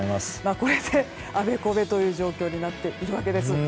これであべこべという状況になっているわけです。